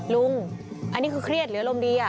ลุงอันนี้คือเครียดหรืออารมณ์ดี